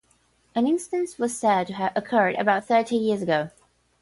An instance was said to have occurred about sixty years ago.